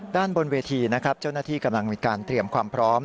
ด้านบนเวทีนะครับเจ้าหน้าที่กำลังมีการเตรียมความพร้อม